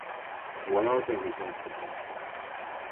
What are the results of this?